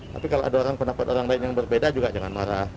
tapi kalau ada orang pendapat orang lain yang berbeda juga jangan marah